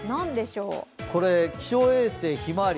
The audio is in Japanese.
これ、気象衛星ひまわり